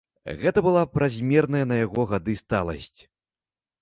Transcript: Гэта была празмерная на яго гады сталасць.